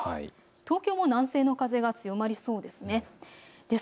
東京も南西の風が強まりそうです。